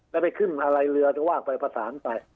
แล้วไปขึ้นอะไรเรือวาลไปผสานไป